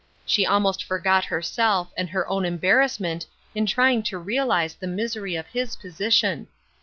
She almost forgot herself and her own embarrassment in try ing to realize the misery of his position.